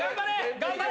頑張れ。